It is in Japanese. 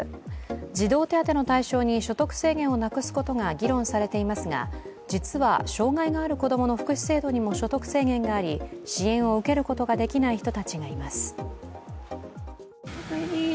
児童手当の対象に所得制限をなくすことが議論されていますが、実は障害のある子供の福祉制度にも所得制限があり支援を受けることができない人たちがいます。